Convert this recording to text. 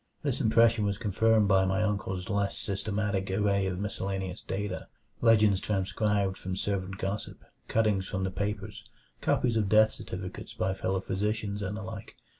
This impression was confirmed by my uncle's less systematic array of miscellaneous data legends transcribed from servant gossip, cuttings from the papers, copies of death certificates by fellow physicians, and the like.